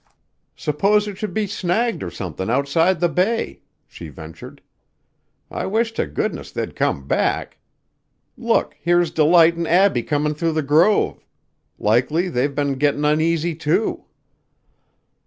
"S'pose it should be snagged or somethin' outside the bay?" she ventured. "I wish to goodness they'd come back. Look, here's Delight an' Abbie comin' through the grove. Likely they've been gettin' uneasy, too."